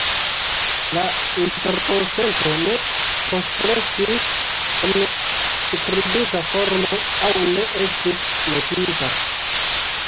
La interkonsento ne postrestis en skribita formo aŭ ne estis notita.